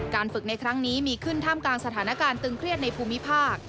ฝึกในครั้งนี้มีขึ้นท่ามกลางสถานการณ์ตึงเครียดในภูมิภาค